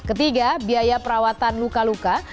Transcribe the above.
ketiga biaya perawatan luka luka